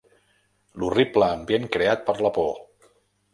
L'horrible ambient creat per la por